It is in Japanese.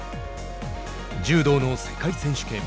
柔道の世界選手権。